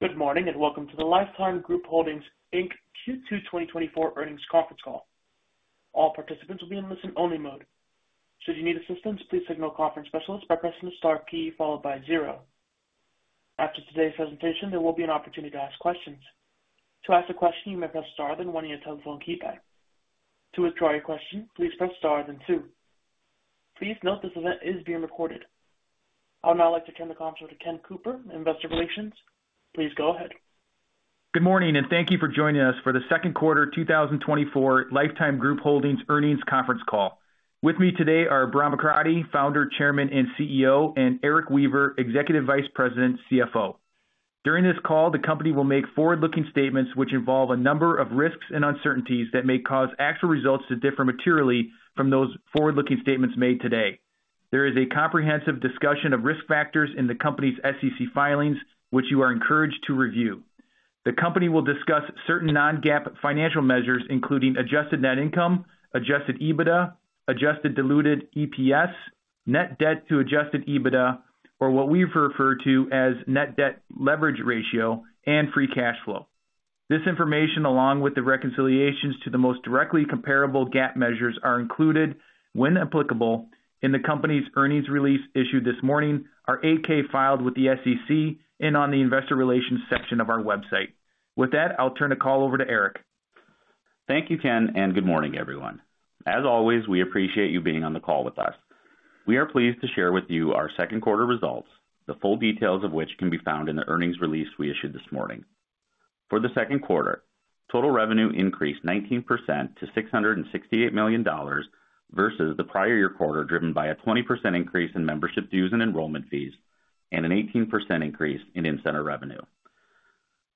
Good morning, and welcome to the Life Time Group Holdings, Inc. Q2 2024 earnings conference call. All participants will be in listen-only mode. Should you need assistance, please signal a conference specialist by pressing the star key followed by zero. After today's presentation, there will be an opportunity to ask questions. To ask a question, you may press star, then one on your telephone keypad. To withdraw your question, please press star, then two. Please note this event is being recorded. I would now like to turn the conference over to Ken Cooper, Investor Relations. Please go ahead. Good morning, and thank you for joining us for the second quarter 2024 Life Time Group Holdings earnings conference call. With me today are Bahram Akradi, Founder, Chairman, and CEO, and Erik Weaver, Executive Vice President, CFO. During this call, the company will make forward-looking statements which involve a number of risks and uncertainties that may cause actual results to differ materially from those forward-looking statements made today. There is a comprehensive discussion of risk factors in the company's SEC filings, which you are encouraged to review. The company will discuss certain non-GAAP financial measures, including adjusted net income, adjusted EBITDA, adjusted diluted EPS, net debt to adjusted EBITDA, or what we've referred to as net debt leverage ratio and free cash flow. This information, along with the reconciliations to the most directly comparable GAAP measures, are included, when applicable, in the company's earnings release issued this morning, our 8-K filed with the SEC, and on the investor relations section of our website. With that, I'll turn the call over to Erik. Thank you, Ken, and good morning, everyone. As always, we appreciate you being on the call with us. We are pleased to share with you our second quarter results, the full details of which can be found in the earnings release we issued this morning. For the second quarter, total revenue increased 19% to $668 million versus the prior year quarter, driven by a 20% increase in membership dues and enrollment fees and an 18% increase in in-center revenue.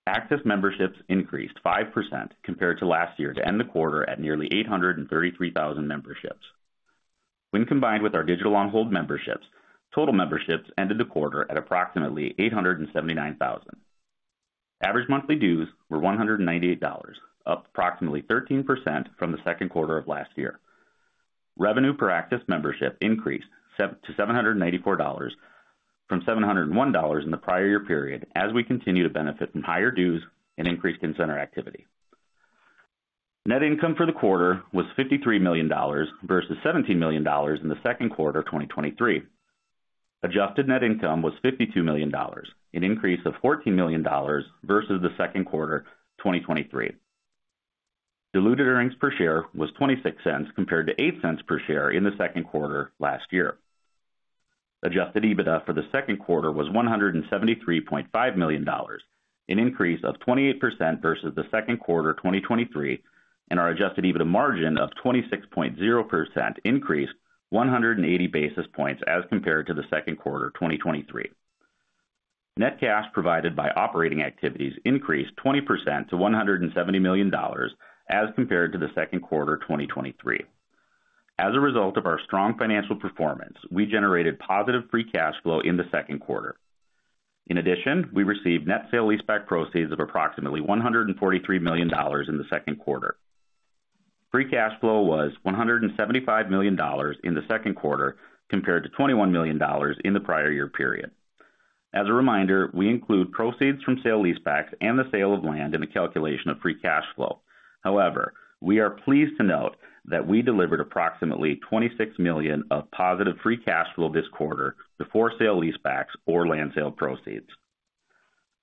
Access memberships increased 5% compared to last year to end the quarter at nearly 833,000 memberships. When combined with our digital on-hold memberships, total memberships ended the quarter at approximately 879,000. Average monthly dues were $198, up approximately 13% from the second quarter of last year. Revenue per access membership increased seven to $794 from $701 in the prior year period, as we continue to benefit from higher dues and increased in-center activity. Net income for the quarter was $53 million versus $17 million in the second quarter of 2023. Adjusted net income was $52 million, an increase of $14 million versus the second quarter of 2023. Diluted earnings per share was $0.26, compared to $0.08 per share in the second quarter last year. Adjusted EBITDA for the second quarter was $173.5 million, an increase of 28% versus the second quarter of 2023, and our adjusted EBITDA margin of 26.0% increased 180 basis points as compared to the second quarter of 2023. Net cash provided by operating activities increased 20% to $170 million as compared to the second quarter of 2023. As a result of our strong financial performance, we generated positive free cash flow in the second quarter. In addition, we received net sale-leaseback proceeds of approximately $143 million in the second quarter. Free cash flow was $175 million in the second quarter, compared to $21 million in the prior year period. As a reminder, we include proceeds from sale-leasebacks and the sale of land in the calculation of free cash flow. However, we are pleased to note that we delivered approximately $26 million of positive free cash flow this quarter before sale-leasebacks or land sale proceeds.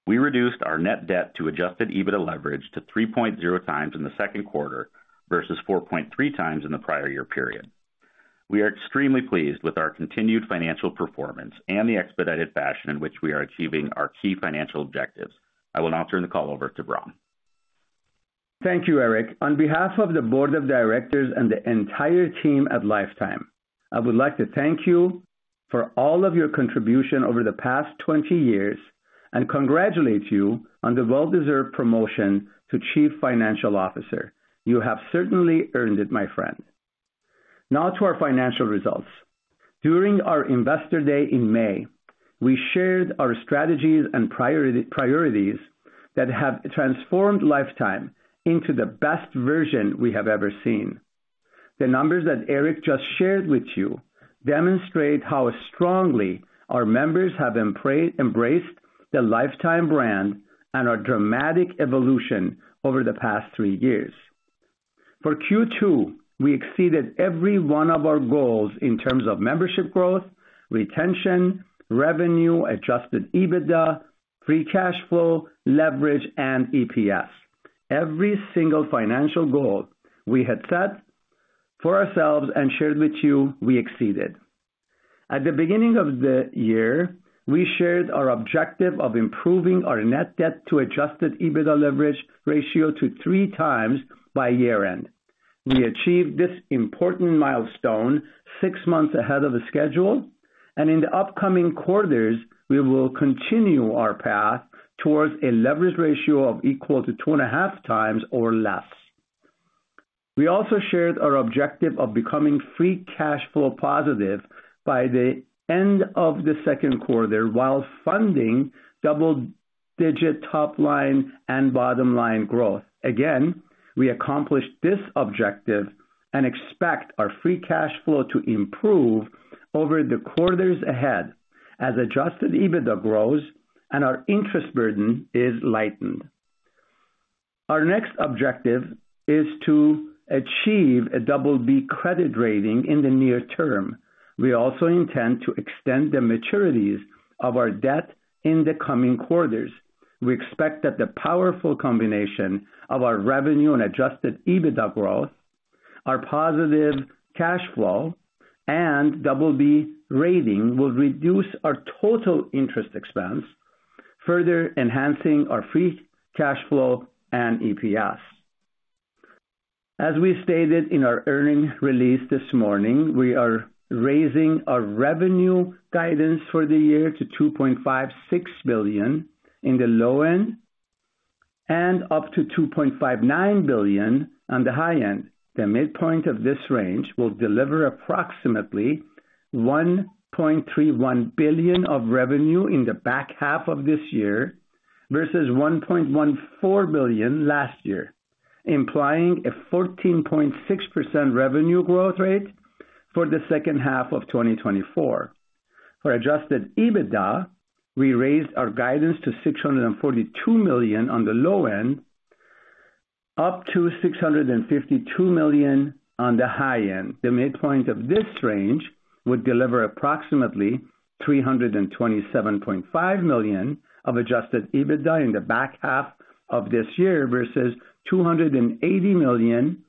We reduced our net debt to Adjusted EBITDA leverage to 3.0x in the second quarter versus 4.3x in the prior year period. We are extremely pleased with our continued financial performance and the expedited fashion in which we are achieving our key financial objectives. I will now turn the call over to Bahram. Thank you, Erik. On behalf of the board of directors and the entire team at Life Time, I would like to thank you for all of your contribution over the past 20 years and congratulate you on the well-deserved promotion to Chief Financial Officer. You have certainly earned it, my friend. Now to our financial results. During our Investor Day in May, we shared our strategies and priorities that have transformed Life Time into the best version we have ever seen. The numbers that Erik just shared with you demonstrate how strongly our members have embraced the Life Time brand and our dramatic evolution over the past three years. For Q2, we exceeded every one of our goals in terms of membership growth, retention, revenue, adjusted EBITDA, free cash flow, leverage, and EPS. Every single financial goal we had set for ourselves and shared with you, we exceeded. At the beginning of the year, we shared our objective of improving our net debt to adjusted EBITDA leverage ratio to 3x by year-end. We achieved this important milestone six months ahead of the schedule, and in the upcoming quarters, we will continue our path towards a leverage ratio of equal to 2.5x or less. We also shared our objective of becoming free cash flow positive by the end of the second quarter, while funding double-digit top line and bottom-line growth. Again, we accomplished this objective and expect our free cash flow to improve over the quarters ahead as adjusted EBITDA grows and our interest burden is lightened. Our next objective is to achieve a double-B credit rating in the near term. We also intend to extend the maturities of our debt in the coming quarters. We expect that the powerful combination of our revenue and Adjusted EBITDA growth, our positive cash flow, and double B rating will reduce our total interest expense, further enhancing our Free cash flow and EPS. As we stated in our earnings release this morning, we are raising our revenue guidance for the year to $2.56 billion-$2.59 billion. The midpoint of this range will deliver approximately $1.31 billion of revenue in the back half of this year, versus $1.14 billion last year, implying a 14.6% revenue growth rate for the second half of 2024. For Adjusted EBITDA, we raised our guidance to $642 million-$652 million. The midpoint of this range would deliver approximately $327.5 million of adjusted EBITDA in the back half of this year, versus $280.7 million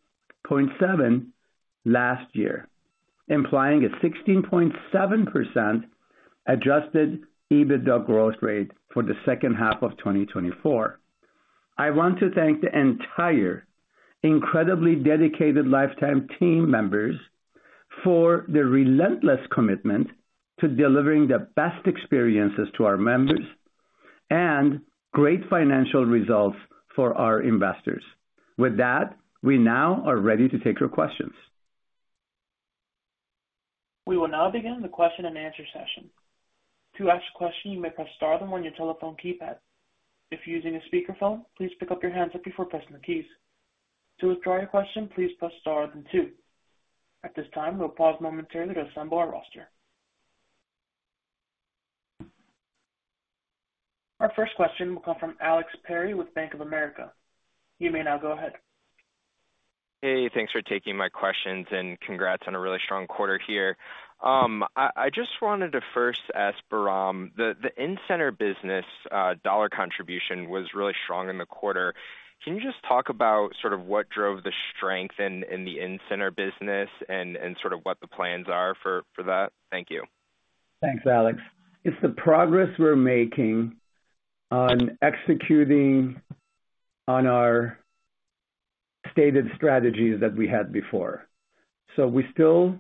last year, implying a 16.7% adjusted EBITDA growth rate for the second half of 2024. I want to thank the entire incredibly dedicated Life Time team members for their relentless commitment to delivering the best experiences to our members and great financial results for our investors. With that, we now are ready to take your questions. We will now begin the question-and-answer session. To ask a question, you may press star, then one on your telephone keypad. If you're using a speakerphone, please pick up your handset before pressing the keys. To withdraw your question, please press star, then two. At this time, we'll pause momentarily to assemble our roster. Our first question will come from Alex Perry with Bank of America. You may now go ahead. Hey, thanks for taking my questions, and congrats on a really strong quarter here. I just wanted to first ask Bahram, the in-center business dollar contribution was really strong in the quarter. Can you just talk about sort of what drove the strength in the in-center business and sort of what the plans are for that? Thank you. Thanks, Alex. It's the progress we're making on executing on our stated strategies that we had before. So we still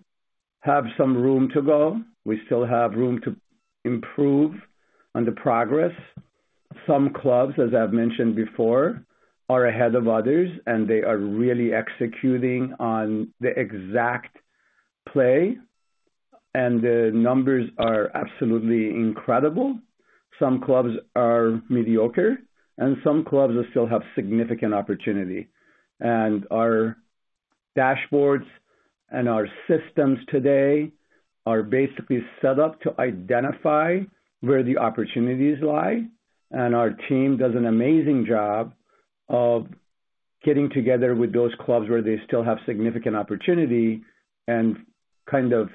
have some room to go. We still have room to improve on the progress. Some clubs, as I've mentioned before, are ahead of others, and they are really executing on the exact play, and the numbers are absolutely incredible. Some clubs are mediocre, and some clubs still have significant opportunity. And our dashboards and our systems today are basically set up to identify where the opportunities lie, and our team does an amazing job of getting together with those clubs where they still have significant opportunity and kind of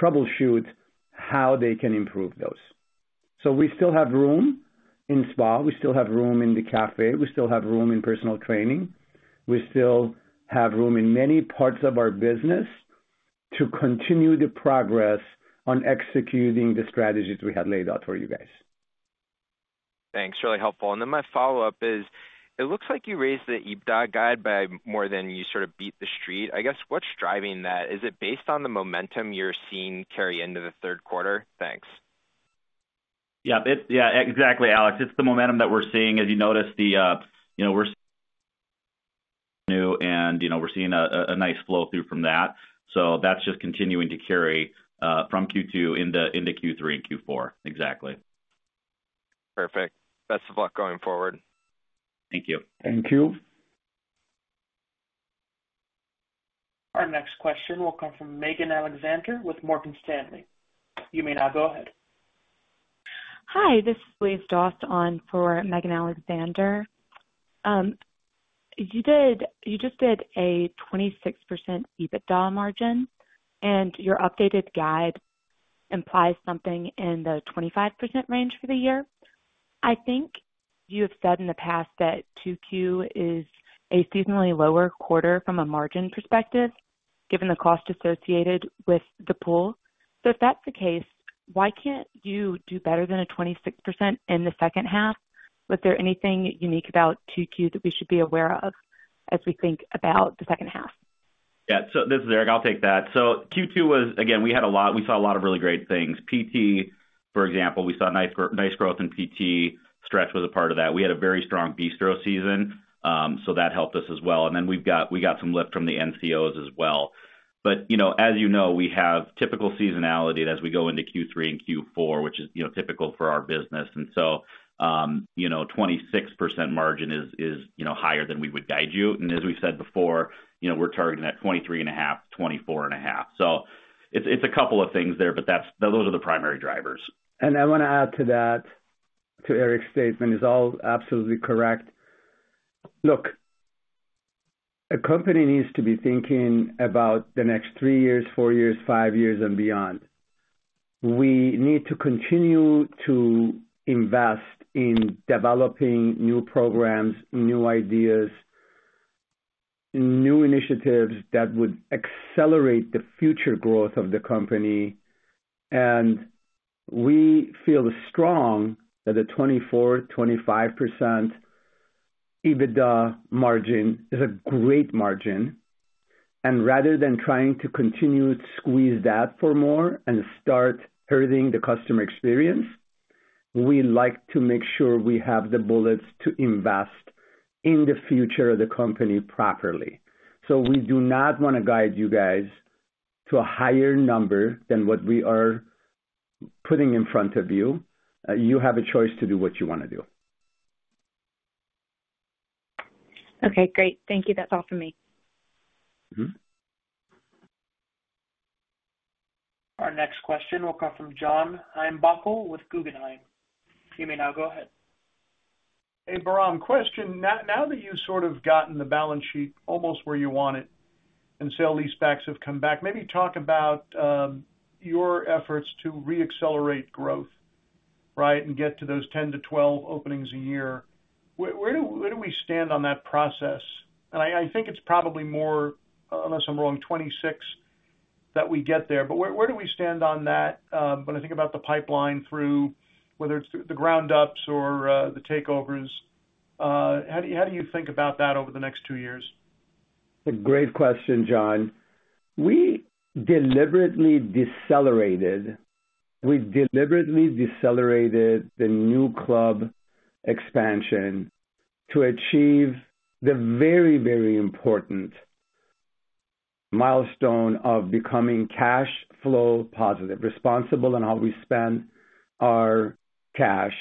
troubleshoot how they can improve those. So we still have room in spa, we still have room in the cafe, we still have room in personal training, we still have room in many parts of our business to continue the progress on executing the strategies we had laid out for you guys. Thanks. Really helpful. And then my follow-up is: it looks like you raised the EBITDA guide by more than you sort of beat the street. I guess, what's driving that? Is it based on the momentum you're seeing carry into the third quarter? Thanks. Yeah, yeah, exactly, Alex. It's the momentum that we're seeing. As you notice, you know, we're new, and, you know, we're seeing a nice flow through from that. So that's just continuing to carry from Q2 into Q3 and Q4. Exactly. Perfect. Best of luck going forward. Thank you. Thank you. Our next question will come from Megan Alexander with Morgan Stanley. You may now go ahead. Hi, this is Louise Dost on for Megan Alexander. You just did a 26% EBITDA margin, and your updated guide implies something in the 25% range for the year. I think you have said in the past that 2Q is a seasonally lower quarter from a margin perspective, given the cost associated with the pool. So if that's the case, why can't you do better than a 26% in the second half? Was there anything unique about 2Q that we should be aware of as we think about the second half? Yeah. So this is Erik. I'll take that. So Q2 was, again, we saw a lot of really great things. PT, for example, we saw nice growth in PT. Stretch was a part of that. We had a very strong bistro season, so that helped us as well. And then we got some lift from the NCOs as well. But, you know, as you know, we have typical seasonality as we go into Q3 and Q4, which is, you know, typical for our business. And so, you know, 26% margin is higher than we would guide you. And as we said before, you know, we're targeting that 23.5-24.5. So it's a couple of things there, but that's those are the primary drivers. I want to add to that, to Erik's statement. It's all absolutely correct. A company needs to be thinking about the next three years, four years, five years, and beyond. We need to continue to invest in developing new programs, new ideas, new initiatives that would accelerate the future growth of the company, and we feel strong that a 24%-25% EBITDA margin is a great margin, and rather than trying to continue to squeeze that for more and start hurting the customer experience, we like to make sure we have the bullets to invest in the future of the company properly. So we do not want to guide you guys to a higher number than what we are putting in front of you. You have a choice to do what you wanna do. Okay, great. Thank you. That's all for me. Mm-hmm. Our next question will come from John Heinbockel with Guggenheim. You may now go ahead. Hey, Bahram, question: Now that you've sort of gotten the balance sheet almost where you want it and sale-leasebacks have come back, maybe talk about your efforts to reaccelerate growth, right, and get to those 10-12 openings a year. Where do we stand on that process? And I think it's probably more, unless I'm wrong, 26 that we get there, but where do we stand on that, when I think about the pipeline through whether it's the ground ups or the takeovers, how do you think about that over the next two years? A great question, John. We deliberately decelerated. We deliberately decelerated the new club expansion to achieve the very, very important milestone of becoming cash flow positive, responsible in how we spend our cash.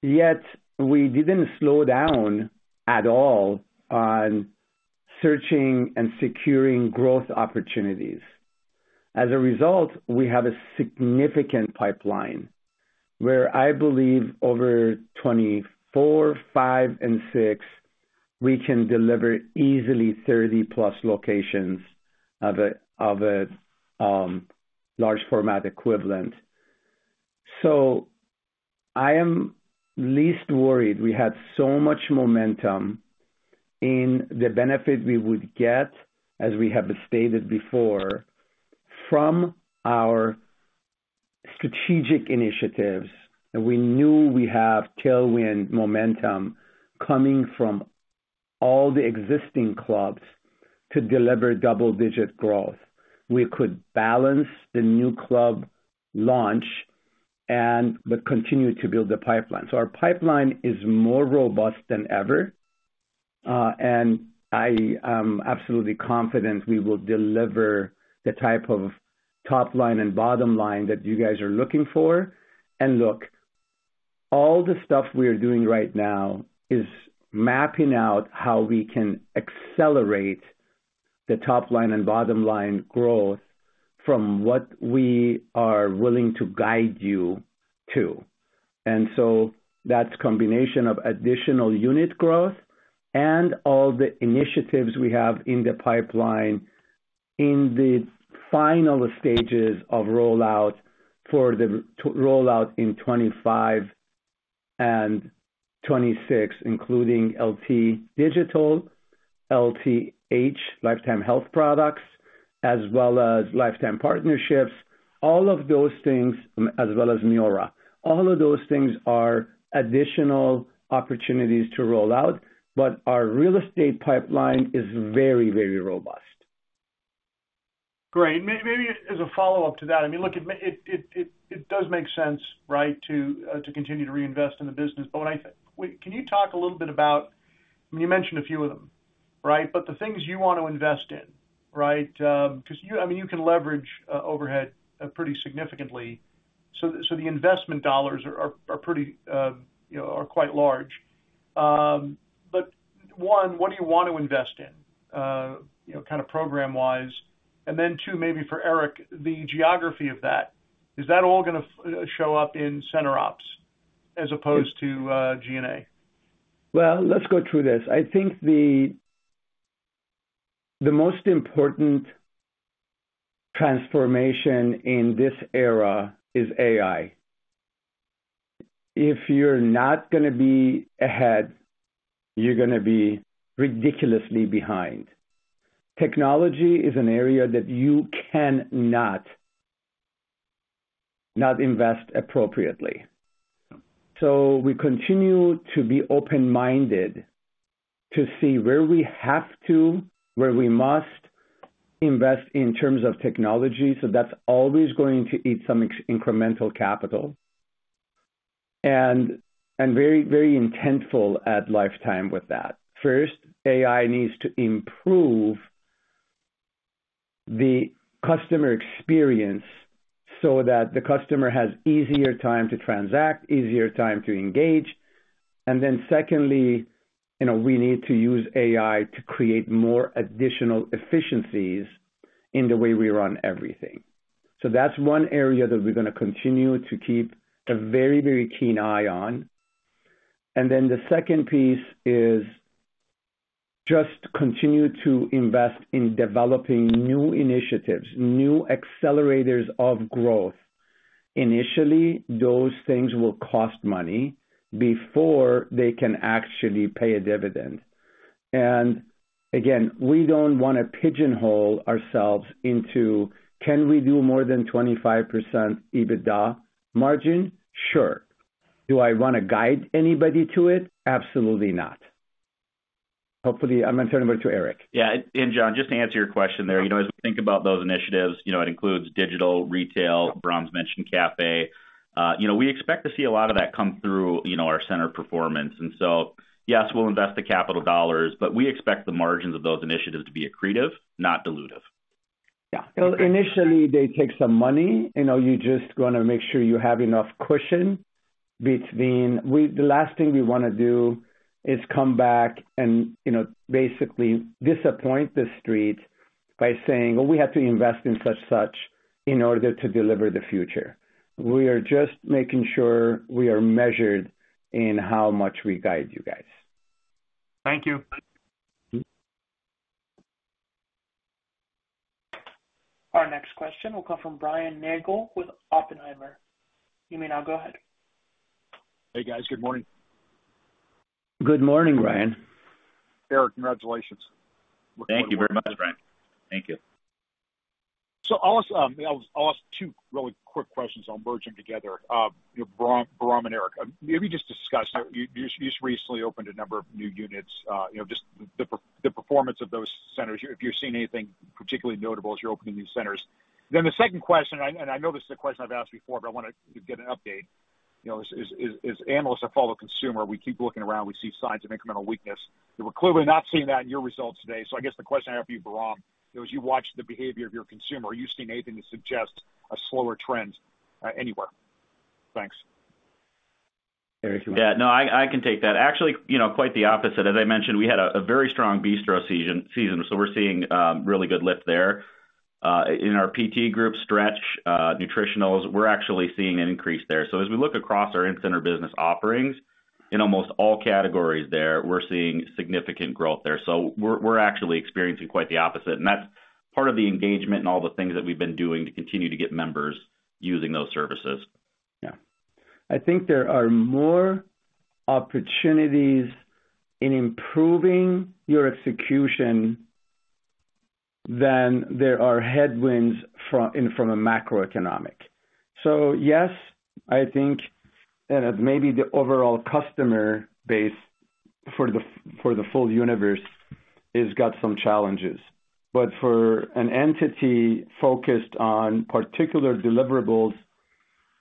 Yet we didn't slow down at all on searching and securing growth opportunities. As a result, we have a significant pipeline where I believe over 2024, 2025, and 2026, we can deliver easily 30+ locations of a large format equivalent. So I am least worried. We had so much momentum in the benefit we would get, as we have stated before, from our strategic initiatives, and we knew we have tailwind momentum coming from all the existing clubs to deliver double-digit growth. We could balance the new club launch and but continue to build the pipeline. Our pipeline is more robust than ever, and I am absolutely confident we will deliver the type of top line and bottom line that you guys are looking for. Look, all the stuff we are doing right now is mapping out how we can accelerate the top line and bottom line growth from what we are willing to guide you to. So that's a combination of additional unit growth and all the initiatives we have in the pipeline in the final stages of rollout for the rollout in 2025 and 2026, including LT Digital, LTH, Life Time Health Products, as well as Life Time Partnerships, all of those things, as well as Miora. All of those things are additional opportunities to roll out, but our real estate pipeline is very, very robust. Great. Maybe as a follow-up to that, I mean, look, it does make sense, right, to continue to reinvest in the business. But what I... Wait, can you talk a little bit about, you mentioned a few of them, right? But the things you want to invest in, right? Because you I mean, you can leverage overhead pretty significantly. So the investment dollars are pretty, you know, are quite large. But one, what do you want to invest in, you know, kind of program-wise? And then, two, maybe for Erik, the geography of that, is that all gonna show up in center ops as opposed to GNA? Well, let's go through this. I think the most important transformation in this era is AI. If you're not gonna be ahead, you're gonna be ridiculously behind. Technology is an area that you cannot not invest appropriately. So we continue to be open-minded to see where we have to, where we must invest in terms of technology. So that's always going to eat some incremental capital, and very, very intentful at Life Time with that. First, AI needs to improve the customer experience so that the customer has easier time to transact, easier time to engage. And then secondly, you know, we need to use AI to create more additional efficiencies in the way we run everything. So that's one area that we're gonna continue to keep a very, very keen eye on. And then the second piece is just continue to invest in developing new initiatives, new accelerators of growth. Initially, those things will cost money before they can actually pay a dividend. And again, we don't wanna pigeonhole ourselves into, can we do more than 25% EBITDA margin? Sure. Do I wanna guide anybody to it? Absolutely not. Hopefully, I'm gonna turn it over to Erik. Yeah, and John, just to answer your question there, you know, as we think about those initiatives, you know, it includes digital, retail, Bahram's mentioned cafe. You know, we expect to see a lot of that come through, you know, our center performance. And so, yes, we'll invest the capital dollars, but we expect the margins of those initiatives to be accretive, not dilutive. Yeah. So initially, they take some money. You know, you just wanna make sure you have enough cushion between. The last thing we wanna do is come back and, you know, basically disappoint The Street by saying, "Well, we have to invest in such, such in order to deliver the future." We are just making sure we are measured in how much we guide you guys. Thank you. Mm-hmm. Our next question will come from Brian Nagel with Oppenheimer. You may now go ahead. Hey, guys. Good morning. Good morning, Brian. Erik, congratulations. Thank you very much, Brian. Thank you. So I'll ask two really quick questions. I'll merge them together. You know, Bahram and Erik, maybe just discuss how you just recently opened a number of new units, you know, just the performance of those centers, if you're seeing anything particularly notable as you're opening new centers. Then the second question, and I know this is a question I've asked before, but I wanted to get an update. You know, as analysts that follow consumer, we keep looking around, we see signs of incremental weakness. We're clearly not seeing that in your results today. So I guess the question I have for you, Bahram, you know, as you watch the behavior of your consumer, are you seeing anything to suggest a slower trend, anywhere? Thanks. Erik, you want- Yeah. No, I can take that. Actually, you know, quite the opposite. As I mentioned, we had a very strong bistro season, so we're seeing really good lift there. In our PT group, Stretch, Nutritionals, we're actually seeing an increase there. So as we look across our in-center business offerings, in almost all categories there, we're seeing significant growth there. So we're actually experiencing quite the opposite, and that's part of the engagement and all the things that we've been doing to continue to get members using those services. Yeah. I think there are more opportunities in improving your execution than there are headwinds from a macroeconomic. So yes, I think maybe the overall customer base for the full universe has got some challenges. But for an entity focused on particular deliverables,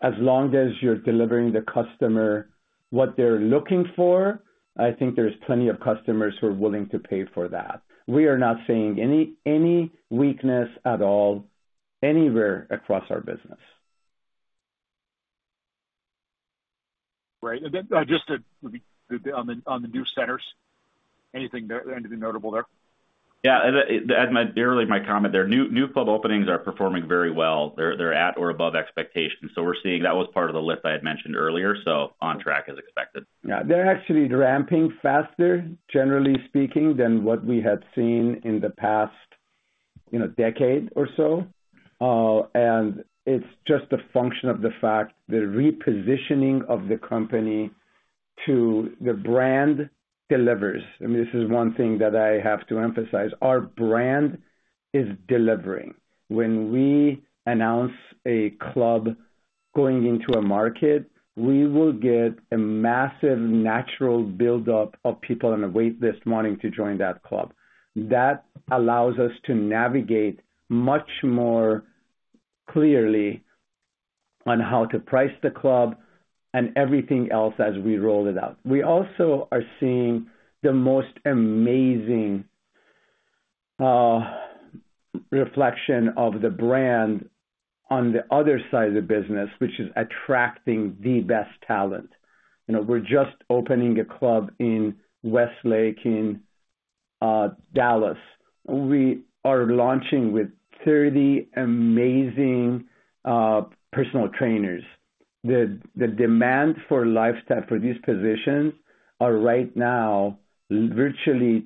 as long as you're delivering the customer what they're looking for, I think there's plenty of customers who are willing to pay for that. We are not seeing any weakness at all anywhere across our business. Great. And then, just to, on the new centers, anything there, anything notable there? Yeah, as my earlier comment there, new club openings are performing very well. They're at or above expectations. So we're seeing that was part of the lift I had mentioned earlier, so on track as expected. Yeah. They're actually ramping faster, generally speaking, than what we had seen in the past, you know, decade or so. And it's just a function of the fact, the repositioning of the company to the brand delivers. I mean, this is one thing that I have to emphasize: Our brand is delivering. When we announce a club going into a market, we will get a massive natural buildup of people on the waitlist wanting to join that club. That allows us to navigate much more clearly on how to price the club and everything else as we roll it out. We also are seeing the most amazing, reflection of the brand on the other side of the business, which is attracting the best talent. You know, we're just opening a club in Westlake in, Dallas. We are launching with 30 amazing, personal trainers. The demand for lifestyle for these positions are right now virtually...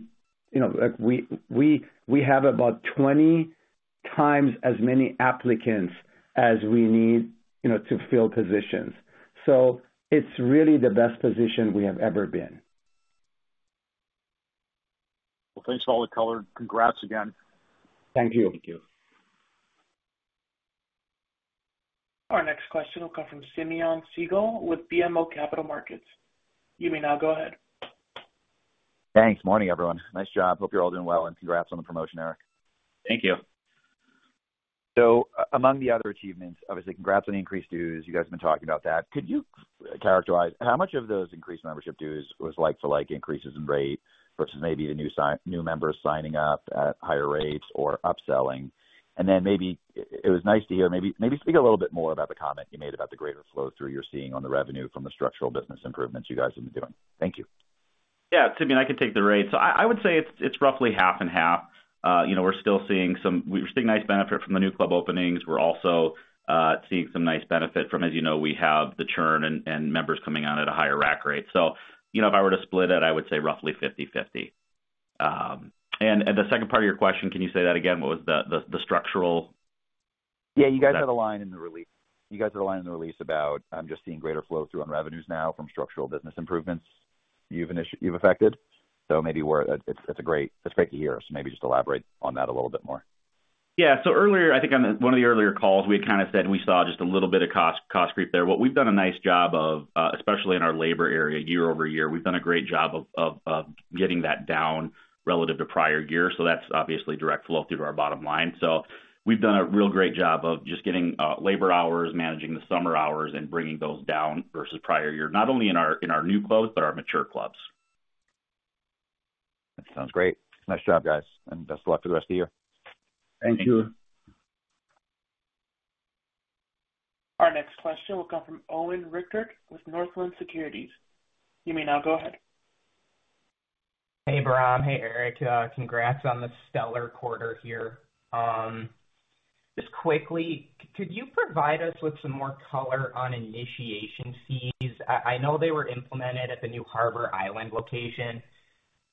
You know, like, we have about 20x as many applicants as we need, you know, to fill positions. So it's really the best position we have ever been. Well, thanks for all the color. Congrats again. Thank you. Thank you. Our next question will come from Simeon Siegel with BMO Capital Markets. You may now go ahead. Thanks. Morning, everyone. Nice job. Hope you're all doing well, and congrats on the promotion, Erik. Thank you. So among the other achievements, obviously, congrats on the increased dues. You guys have been talking about that. Could you characterize how much of those increased membership dues was like to, like, increases in rate versus maybe the new members signing up at higher rates or upselling? And then maybe it was nice to hear, maybe speak a little bit more about the comment you made about the greater flow-through you're seeing on the revenue from the structural business improvements you guys have been doing. Thank you.... Yeah, Toby, I can take the rate. So I would say it's roughly half and half. You know, we're still seeing some-- we're seeing nice benefit from the new club openings. We're also seeing some nice benefit from, as you know, we have the churn and members coming on at a higher rack rate. So, you know, if I were to split it, I would say roughly 50/50. And the second part of your question, can you say that again? What was the structural? Yeah, you guys had a line in the release about just seeing greater flow through on revenues now from structural business improvements you've affected. That's great to hear. So maybe just elaborate on that a little bit more. Yeah. So earlier, I think on one of the earlier calls, we had kind of said we saw just a little bit of cost, cost creep there. What we've done a nice job of, especially in our labor area, year over year, we've done a great job of, of, of getting that down relative to prior years. So that's obviously direct flow through to our bottom line. So we've done a real great job of just getting, labor hours, managing the summer hours, and bringing those down versus prior year. Not only in our, in our new clubs, but our mature clubs. That sounds great. Nice job, guys, and best of luck for the rest of the year. Thank you. Our next question will come from Owen Rickert with Northland Securities. You may now go ahead. Hey, Bahram. Hey, Erik. Congrats on the stellar quarter here. Just quickly, could you provide us with some more color on initiation fees? I know they were implemented at the new Harbour Island location,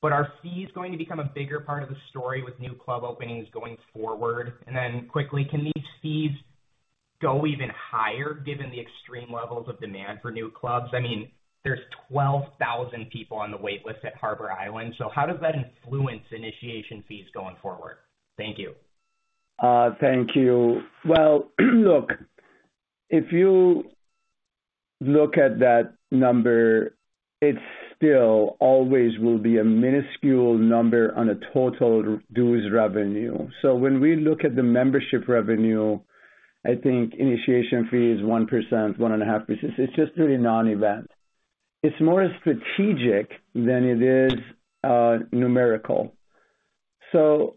but are fees going to become a bigger part of the story with new club openings going forward? And then quickly, can these fees go even higher, given the extreme levels of demand for new clubs? I mean, there's 12,000 people on the wait list at Harbour Island, so how does that influence initiation fees going forward? Thank you. Thank you. Well, look, if you look at that number, it still always will be a minuscule number on a total dues revenue. So when we look at the membership revenue, I think initiation fee is 1%, 1.5%. It's just really a non-event. It's more strategic than it is numerical. So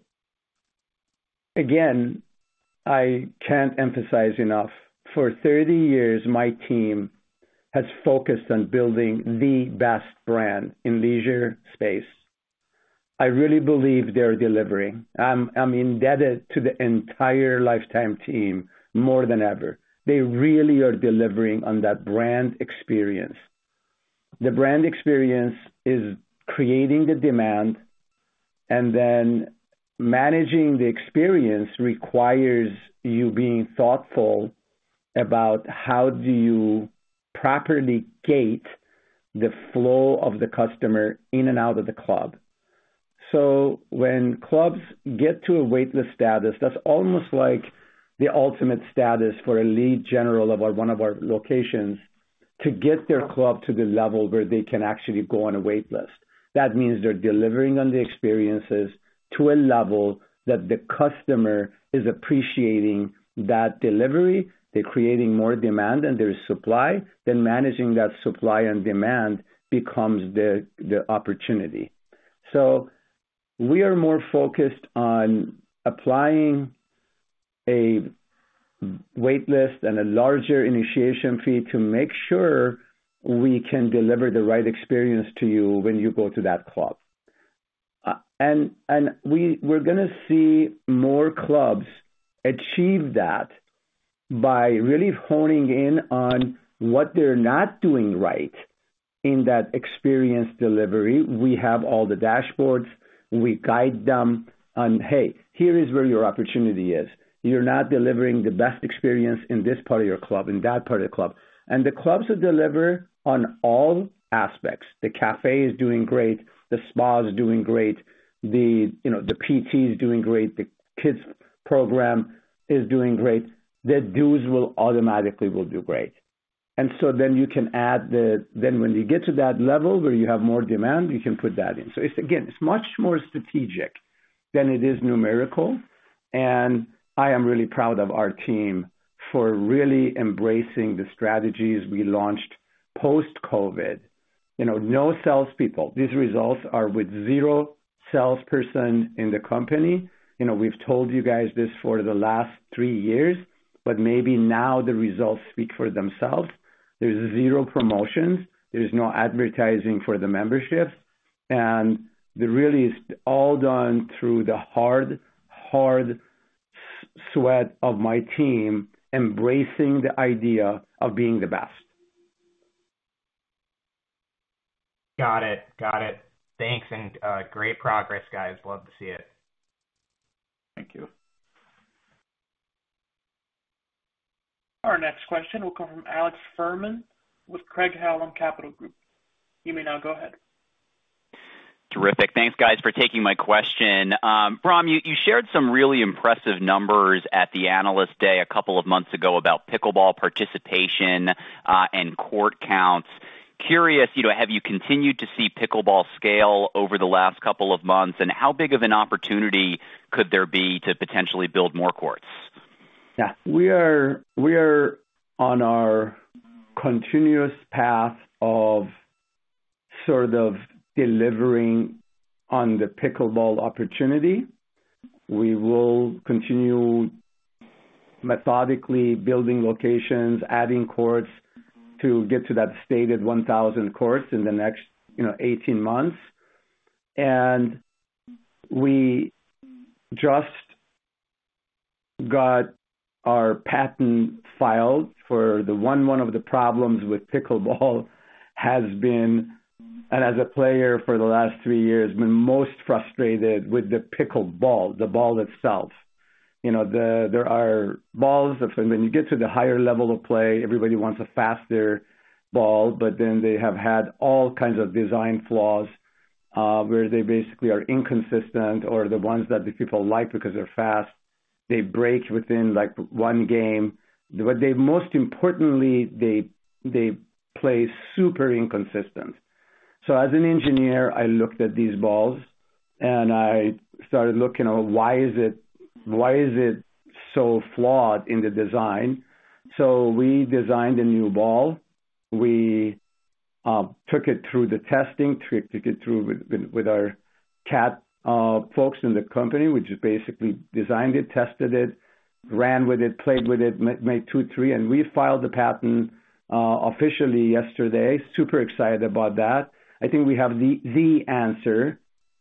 again, I can't emphasize enough, for 30 years, my team has focused on building the best brand in leisure space. I really believe they're delivering. I'm, I'm indebted to the entire Life Time team more than ever. They really are delivering on that brand experience. The brand experience is creating the demand, and then managing the experience requires you being thoughtful about how do you properly gate the flow of the customer in and out of the club. So when clubs get to a waitlist status, that's almost like the ultimate status for a lead general of our, one of our locations, to get their club to the level where they can actually go on a waitlist. That means they're delivering on the experiences to a level that the customer is appreciating that delivery. They're creating more demand than there is supply. Then managing that supply and demand becomes the opportunity. So we are more focused on applying a waitlist and a larger initiation fee to make sure we can deliver the right experience to you when you go to that club. And we're gonna see more clubs achieve that by really honing in on what they're not doing right in that experience delivery. We have all the dashboards. We guide them on, "Hey, here is where your opportunity is. You're not delivering the best experience in this part of your club, in that part of the club." And the clubs that deliver on all aspects, the cafe is doing great, the spa is doing great, the, you know, the PT is doing great, the kids program is doing great, the dues will automatically will do great. And so then you can add the... Then when you get to that level where you have more demand, you can put that in. So it's again, it's much more strategic than it is numerical, and I am really proud of our team for really embracing the strategies we launched post-COVID. You know, no salespeople. These results are with zero salesperson in the company. You know, we've told you guys this for the last three years, but maybe now the results speak for themselves. There's zero promotions, there's no advertising for the membership, and it really is all done through the hard, hard sweat of my team, embracing the idea of being the best. Got it. Got it. Thanks, and great progress, guys. Love to see it. Thank you. Our next question will come from Alex Fuhrman with Craig-Hallum Capital Group. You may now go ahead. Terrific. Thanks, guys, for taking my question. Bahram, you shared some really impressive numbers at the Analyst Day a couple of months ago about pickleball participation, and court counts. Curious, you know, have you continued to see pickleball scale over the last couple of months? And how big of an opportunity could there be to potentially build more courts? Yeah, we are on our continuous path of sort of delivering on the pickleball opportunity. We will continue methodically building locations, adding courts to get to that stated 1,000 courts in the next, you know, 18 months. And we just got our patent filed for the one, one of the problems with pickleball has been, and as a player for the last 3 years, been most frustrated with the pickleball, the ball itself. You know, the, there are balls, when you get to the higher level of play, everybody wants a faster ball, but then they have had all kinds of design flaws, where they basically are inconsistent or the ones that the people like because they're fast, they break within, like, 1 game. But they most importantly, they play super inconsistent. So as an engineer, I looked at these balls, and I started looking at why is it, why is it so flawed in the design? So we designed a new ball. We took it through the testing, took it through with our CAD folks in the company, which is basically designed it, tested it, ran with it, played with it, made two, three, and we filed the patent officially yesterday. Super excited about that. I think we have the answer,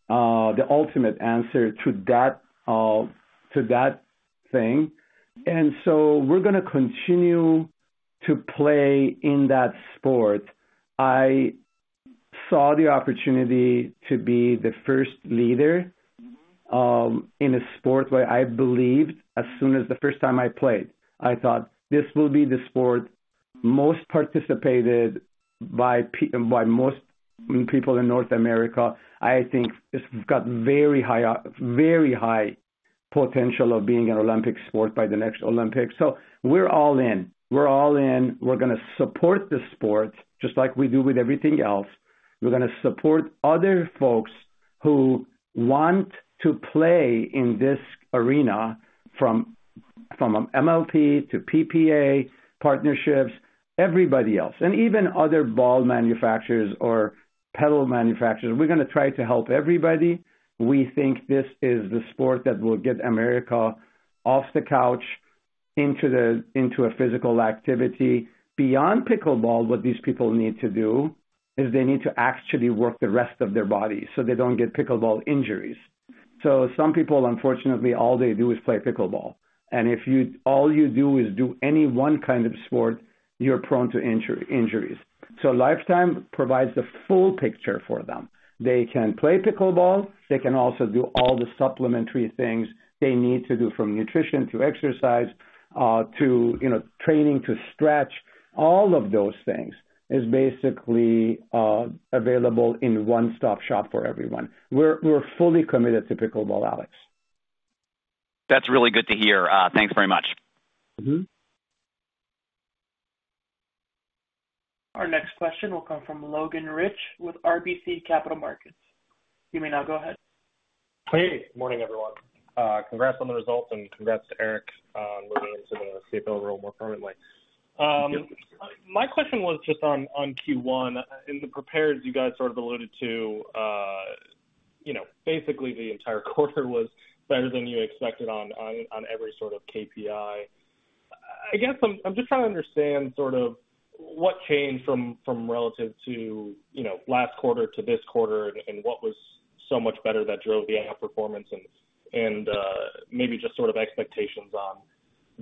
the ultimate answer to that thing. And so we're gonna continue to play in that sport. I saw the opportunity to be the first leader in a sport where I believed as soon as the first time I played. I thought, this will be the sport most participated by most people in North America. I think it's got very high, very high potential of being an Olympic sport by the next Olympics. So we're all in. We're all in. We're gonna support the sport, just like we do with everything else. We're gonna support other folks who want to play in this arena, from MLP to PPA, partnerships, everybody else, and even other ball manufacturers or pedal manufacturers. We're gonna try to help everybody. We think this is the sport that will get America off the couch into a physical activity. Beyond pickleball, what these people need to do is they need to actually work the rest of their body so they don't get pickleball injuries. So some people, unfortunately, all they do is play pickleball, and if all you do is do any one kind of sport, you're prone to injuries. So Life Time provides the full picture for them. They can play pickleball. They can also do all the supplementary things they need to do, from nutrition to exercise, you know, training to stretch. All of those things is basically available in one-stop shop for everyone. We're fully committed to pickleball, Alex. That's really good to hear. Thanks very much. Mm-hmm. Our next question will come from Logan Reich with RBC Capital Markets. You may now go ahead. Hey, good morning, everyone. Congrats on the results and congrats to Erik on moving into the CFO role more permanently. My question was just on Q1. In the prepared, you guys sort of alluded to, you know, basically the entire quarter was better than you expected on every sort of KPI. I guess I'm just trying to understand sort of what changed from relative to, you know, last quarter to this quarter, and what was so much better that drove the outperformance and, maybe just sort of expectations on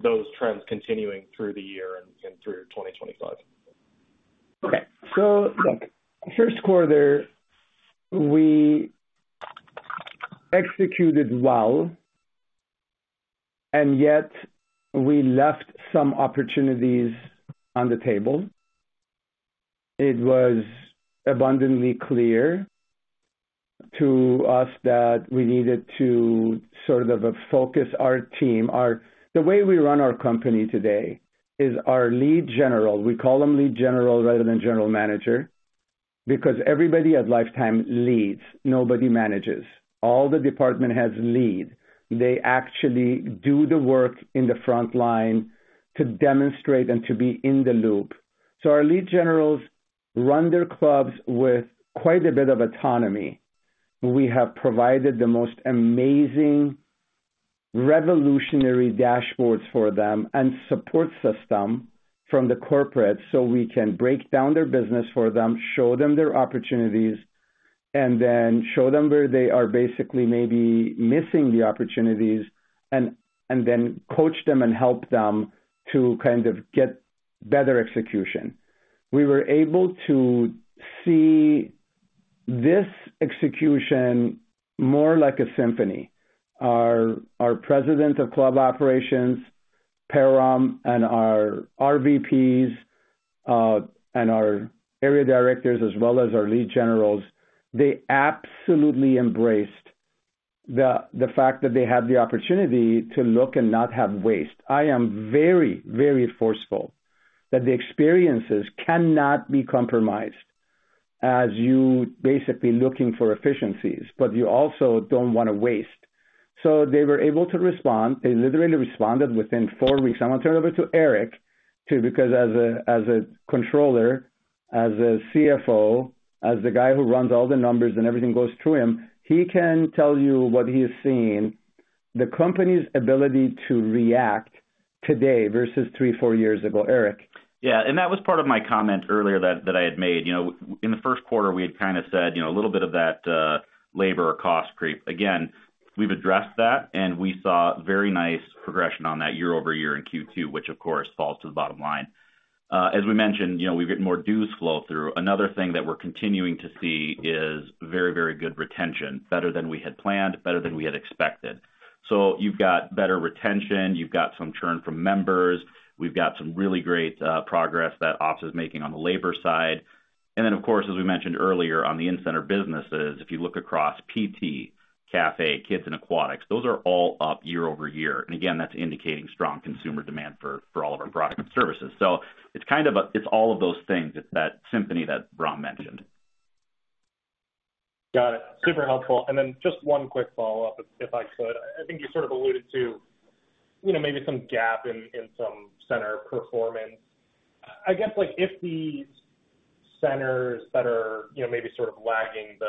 those trends continuing through the year and through 2025. Okay. So look, first quarter, we executed well, and yet we left some opportunities on the table. It was abundantly clear to us that we needed to sort of focus our team. Our... The way we run our company today is our lead general; we call them lead general rather than general manager, because everybody at Life Time leads, nobody manages. All the department has lead. They actually do the work in the front line to demonstrate and to be in the loop. So our lead generals run their clubs with quite a bit of autonomy. We have provided the most amazing revolutionary dashboards for them and support system from the corporate, so we can break down their business for them, show them their opportunities, and then show them where they are basically maybe missing the opportunities, and, and then coach them and help them to kind of get better execution. We were able to see this execution more like a symphony. Our President of Club Operations, Parham, and our RVPs, and our area directors, as well as our lead generals, they absolutely embraced the fact that they had the opportunity to look and not have waste. I am very, very forceful that the experiences cannot be compromised as you basically looking for efficiencies, but you also don't want to waste. So they were able to respond. They literally responded within four weeks. I'm going to turn it over to Erik. too, because as a controller, as a CFO, as the guy who runs all the numbers and everything goes through him, he can tell you what he's seeing. The company's ability to react today versus 3-4 years ago. Erik? Yeah, and that was part of my comment earlier that, that I had made. You know, in the first quarter, we had kind of said, you know, a little bit of that, labor cost creep. Again, we've addressed that, and we saw very nice progression on that year-over-year in Q2, which, of course, falls to the bottom line. As we mentioned, you know, we've gotten more dues flow through. Another thing that we're continuing to see is very, very good retention, better than we had planned, better than we had expected. So you've got better retention, you've got some churn from members, we've got some really great progress that ops is making on the labor side. And then, of course, as we mentioned earlier on the in-center businesses, if you look across PT, cafe, kids, and aquatics, those are all up year-over-year. And again, that's indicating strong consumer demand for all of our products and services. So it's kind of it's all of those things. It's that symphony that Bahram mentioned. Got it. Super helpful. And then just one quick follow-up, if I could. I think you sort of alluded to, you know, maybe some gap in some center performance. I guess, like, if the centers that are, you know, maybe sort of lagging the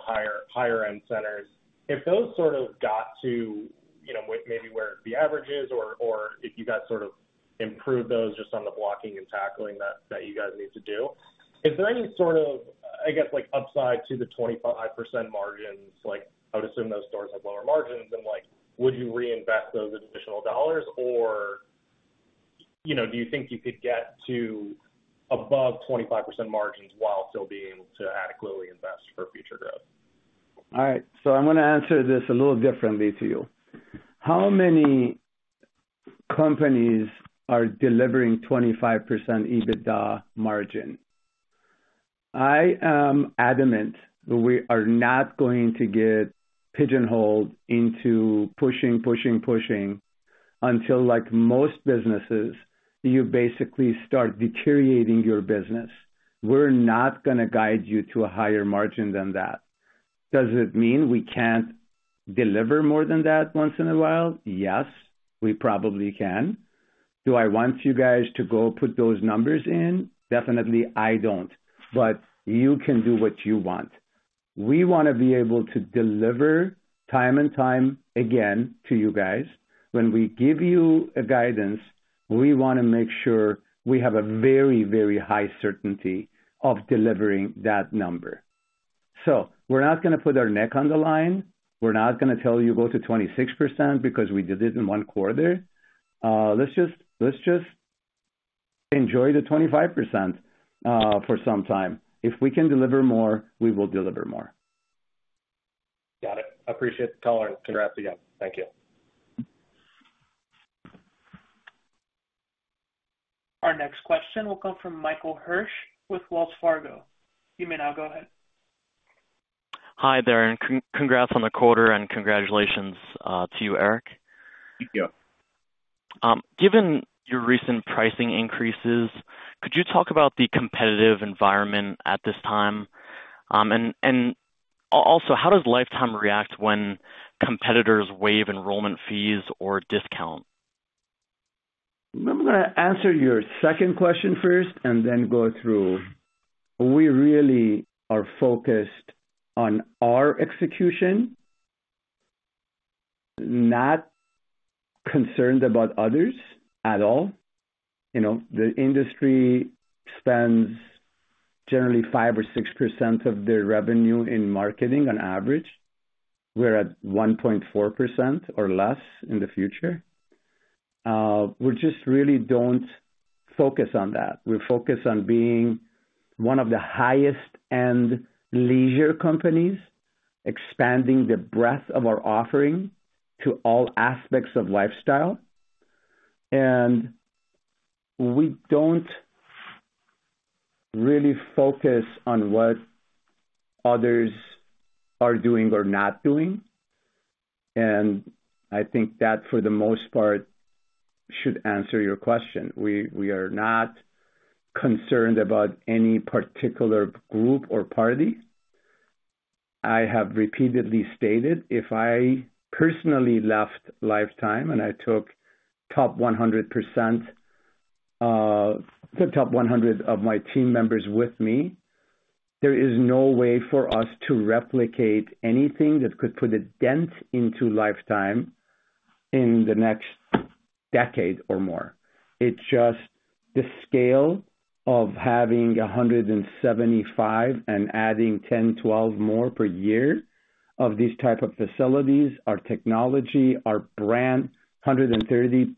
higher-end centers, if those sort of got to, you know, maybe where the average is, or if you guys sort of improved those just on the blocking and tackling that you guys need to do, is there any sort of, I guess, like, upside to the 25% margins? Like, I would assume those stores have lower margins, and, like, would you reinvest those additional dollars? Or, you know, do you think you could get to above 25% margins while still being able to adequately invest for future growth? All right, so I'm gonna answer this a little differently to you. How many companies are delivering 25% EBITDA margin? I am adamant that we are not going to get pigeonholed into pushing, pushing, pushing until, like most businesses, you basically start deteriorating your business. We're not gonna guide you to a higher margin than that. Does it mean we can't deliver more than that once in a while? Yes, we probably can. Do I want you guys to go put those numbers in? Definitely, I don't, but you can do what you want. We wanna be able to deliver time and time again to you guys. When we give you a guidance, we wanna make sure we have a very, very high certainty of delivering that number. So we're not gonna put our neck on the line. We're not gonna tell you go to 26% because we did it in one quarter. Let's just, let's just enjoy the 25%, for some time. If we can deliver more, we will deliver more. Got it. I appreciate the color. Congrats again. Thank you. Our next question will come from Michael Hirsch with Wells Fargo. You may now go ahead. Hi there, and congrats on the quarter, and congratulations to you, Erik. Thank you. Given your recent pricing increases, could you talk about the competitive environment at this time? And also, how does Life Time react when competitors waive enrollment fees or discount? I'm gonna answer your second question first and then go through. We really are focused on our execution, not concerned about others at all. You know, the industry spends generally 5 or 6% of their revenue in marketing on average. We're at 1.4% or less in the future. We just really don't focus on that. We focus on being one of the highest-end leisure companies, expanding the breadth of our offering to all aspects of lifestyle. And we don't really focus on what others are doing or not doing, and I think that, for the most part, should answer your question. We, we are not concerned about any particular group or party. I have repeatedly stated, if I personally left Life Time and I took top 100%, the top 100 of my team members with me, there is no way for us to replicate anything that could put a dent into Life Time in the next decade or more. It's just the scale of having 175 and adding 10, 12 more per year of these type of facilities, our technology, our brand, 130+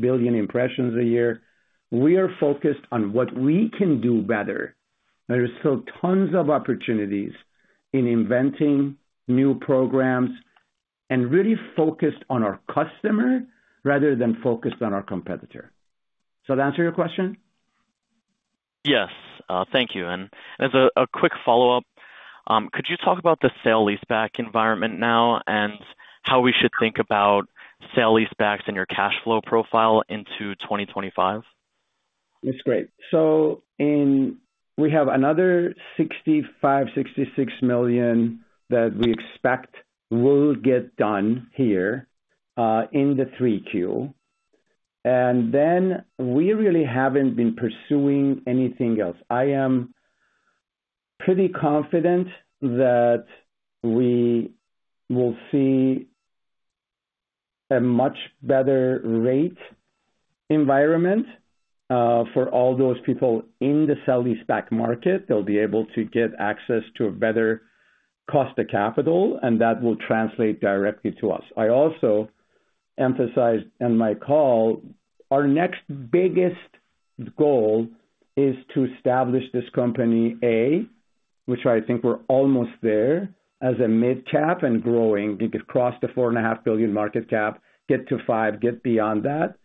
billion impressions a year. We are focused on what we can do better. There are still tons of opportunities in inventing new programs and really focused on our customer rather than focused on our competitor. Does that answer your question? Yes, thank you. As a quick follow-up, could you talk about the sale-leaseback environment now and how we should think about sale-leasebacks and your cash flow profile into 2025? That's great. So we have another $65-$66 million that we expect will get done here in 3Q. And then we really haven't been pursuing anything else. I am pretty confident that we will see a much better rate environment for all those people in the sale-leaseback market. They'll be able to get access to a better cost of capital, and that will translate directly to us. I also emphasized in my call, our next biggest goal is to establish this company, A, which I think we're almost there, as a mid-cap and growing. We could cross the $4.5 billion market cap, get to $5 billion, get beyond that,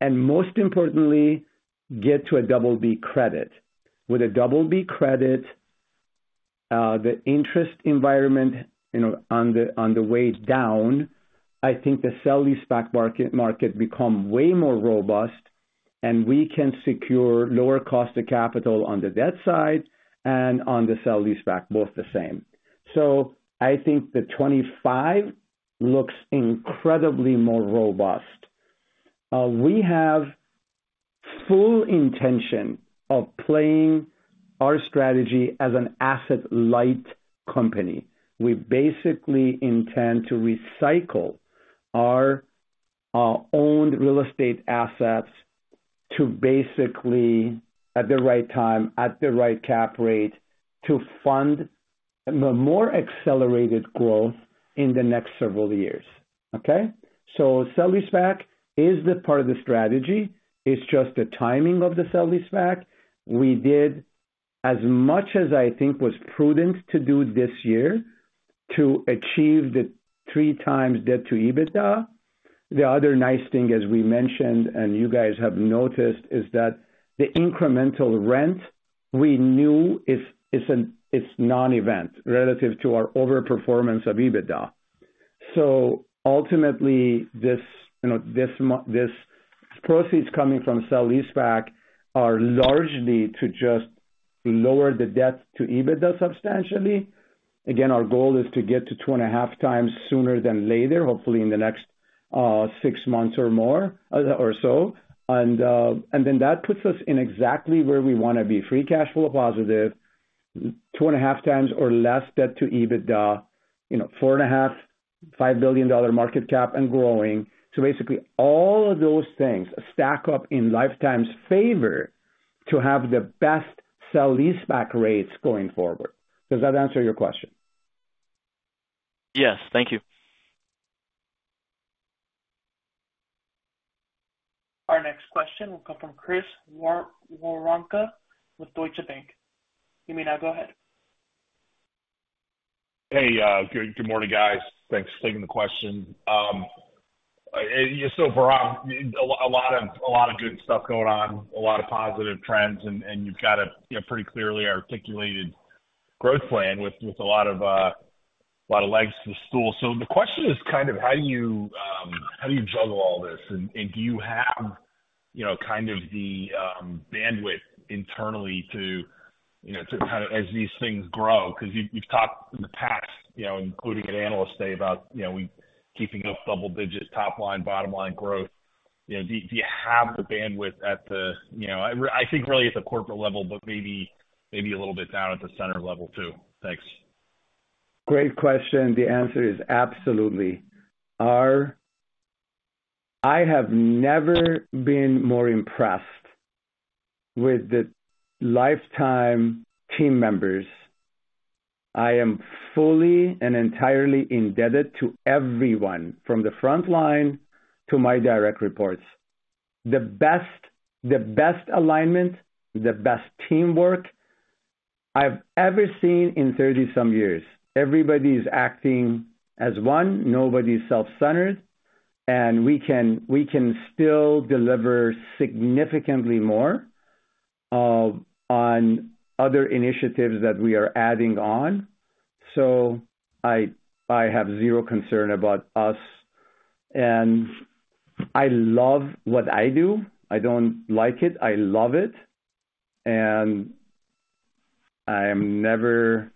and most importantly, get to a double-B credit. With a double-B credit, the interest environment, you know, on the way down, I think the sale-leaseback market will become way more robust, and we can secure lower cost of capital on the debt side and on the sale-leaseback, both the same. So I think the 25 looks incredibly more robust. We have full intention of playing our strategy as an asset-light company. We basically intend to recycle our owned real estate assets to basically, at the right time, at the right cap rate, to fund the more accelerated growth in the next several years, okay? So sale-leaseback is the part of the strategy. It's just the timing of the sale-leaseback. We did as much as I think was prudent to do this year to achieve the 3x debt to EBITDA. The other nice thing, as we mentioned, and you guys have noticed, is that the incremental rent we knew is, it's non-event relative to our overperformance of EBITDA. So ultimately, this, you know, this proceeds coming from sale-leaseback are largely to just lower the debt to EBITDA substantially. Again, our goal is to get to 2.5x sooner than later, hopefully in the next 6 months or more, or so. And then that puts us in exactly where we want to be, free cash flow positive, 2.5x or less debt to EBITDA, you know, $4.5-$5 billion market cap and growing. So basically, all of those things stack up in Life Time's favor to have the best sale-leaseback rates going forward. Does that answer your question? Yes, thank you. Our next question will come from Chris Woronka with Deutsche Bank. You may now go ahead. Hey, good morning, guys. Thanks for taking the question. So Bahram, a lot of good stuff going on, a lot of positive trends, and you've got a, you know, pretty clearly articulated growth plan with a lot of legs to the stool. So the question is kind of how do you juggle all this? And do you have, you know, kind of the bandwidth internally to, you know, to kind of as these things grow? Because you, you've talked in the past, you know, including at Analyst Day, about, you know, we keeping up double digits, top line, bottom line growth. You know, do you have the bandwidth at the, you know, I think really at the corporate level, but maybe a little bit down at the center level, too. Thanks. Great question. The answer is absolutely. Our – I have never been more impressed with the Life Time team members. I am fully and entirely indebted to everyone from the front line to my direct reports. The best, the best alignment, the best teamwork I've ever seen in 30-some years. Everybody is acting as one, nobody's self-centered, and we can, we can still deliver significantly more on other initiatives that we are adding on. So I, I have zero concern about us, and I love what I do. I don't like it, I love it, and I am never...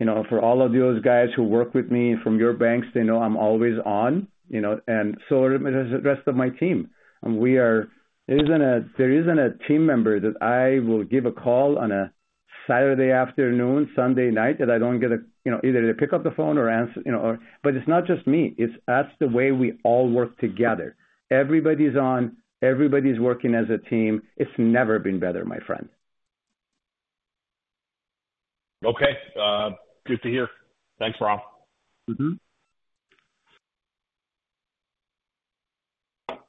You know, for all of those guys who work with me from your banks, they know I'm always on, you know, and so is the rest of my team. And we are, there isn't a team member that I will give a call on a Saturday afternoon, Sunday night, that I don't get a, you know, either to pick up the phone or answer, you know, or—but it's not just me, it's that's the way we all work together. Everybody's on, everybody's working as a team. It's never been better, my friend. Okay, good to hear. Thanks, Rob. Mm-hmm.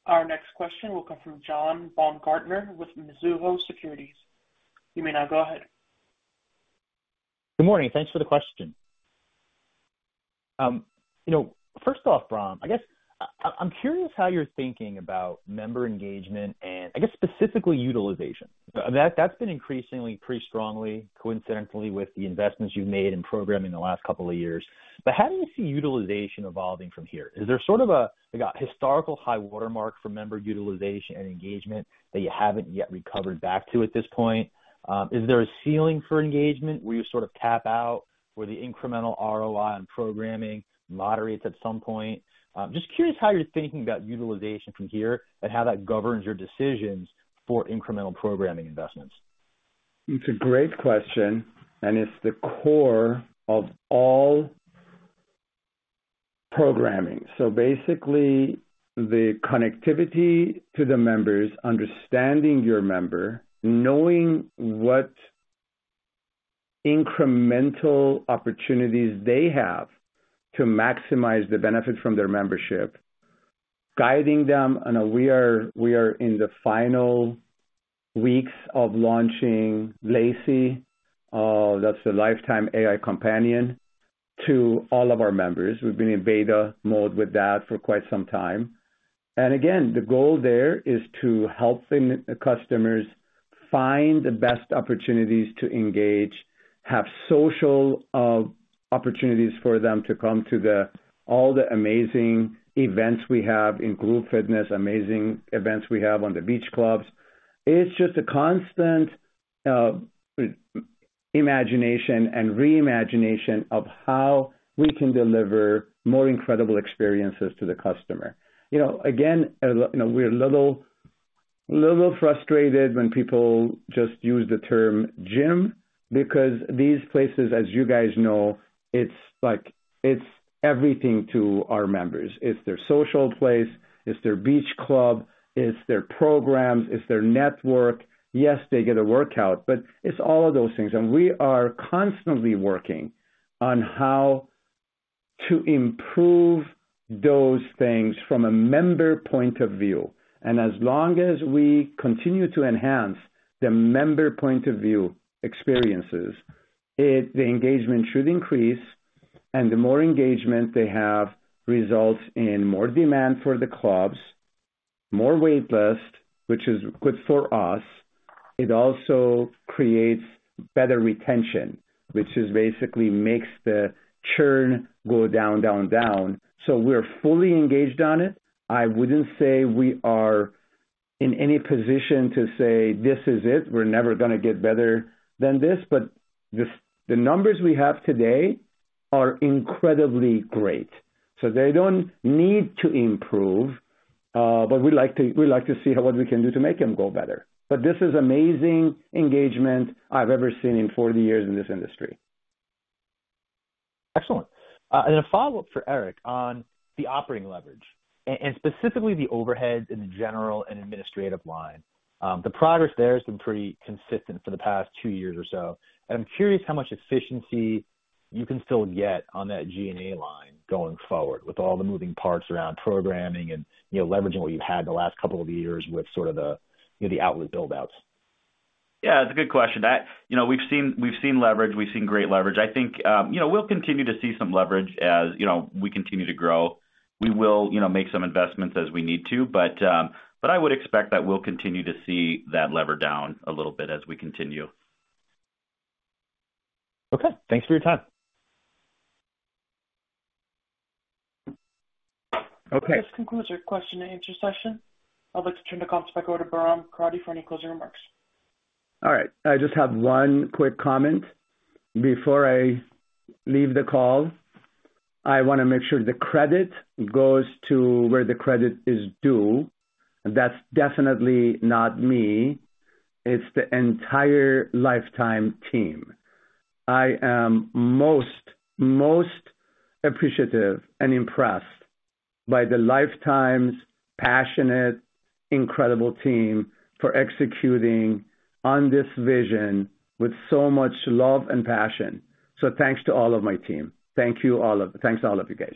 Our next question will come from John Baumgartner with Mizuho Securities. You may now go ahead. Good morning. Thanks for the question. You know, first off, Bahram, I guess, I'm curious how you're thinking about member engagement and I guess specifically utilization. That, that's been increasingly pretty strongly, coincidentally, with the investments you've made in programming the last couple of years. But how do you see utilization evolving from here? Is there sort of a, like a historical high watermark for member utilization and engagement that you haven't yet recovered back to at this point? Is there a ceiling for engagement where you sort of cap out where the incremental ROI on programming moderates at some point? Just curious how you're thinking about utilization from here and how that governs your decisions for incremental programming investments. It's a great question, and it's the core of all programming. So basically, the connectivity to the members, understanding your member, knowing what incremental opportunities they have to maximize the benefit from their membership, guiding them. I know we are in the final weeks of launching Lacey, that's the Life Time AI companion, to all of our members. We've been in beta mode with that for quite some time. And again, the goal there is to help the customers find the best opportunities to engage, have social opportunities for them to come to all the amazing events we have in group fitness, amazing events we have on the beach clubs. It's just a constant imagination and reimagination of how we can deliver more incredible experiences to the customer. You know, again, you know, we're a little, little frustrated when people just use the term gym, because these places, as you guys know, it's like, it's everything to our members. It's their social place, it's their beach club, it's their programs, it's their network. Yes, they get a workout, but it's all of those things, and we are constantly working on how to improve those things from a member point of view. And as long as we continue to enhance the member point of view experiences, it, the engagement should increase, and the more engagement they have results in more demand for the clubs, more waitlists, which is good for us. It also creates better retention, which is basically makes the churn go down, down, down. So we're fully engaged on it. I wouldn't say we are in any position to say, "This is it. We're never gonna get better than this." But the numbers we have today are incredibly great, so they don't need to improve, but we like to, we like to see what we can do to make them go better. But this is amazing engagement I've ever seen in 40 years in this industry. Excellent. And a follow-up for Erik on the operating leverage and, and specifically the overheads in the general and administrative line. The progress there has been pretty consistent for the past two years or so. And I'm curious how much efficiency you can still get on that G&A line going forward, with all the moving parts around programming and, you know, leveraging what you've had in the last couple of years with sort of the, you know, the outlet build-outs. Yeah, it's a good question. You know, we've seen, we've seen leverage, we've seen great leverage. I think, you know, we'll continue to see some leverage as, you know, we continue to grow. We will, you know, make some investments as we need to, but, but I would expect that we'll continue to see that lever down a little bit as we continue. Okay. Thanks for your time. Okay. This concludes our question and answer session. I'd like to turn the call back over to Bahram Akradi for any closing remarks. All right. I just have one quick comment before I leave the call. I want to make sure the credit goes to where the credit is due. That's definitely not me. It's the entire Life Time team. I am most, most appreciative and impressed by the Life Time's passionate, incredible team for executing on this vision with so much love and passion. So thanks to all of my team. Thank you, all of-- Thanks, all of you guys.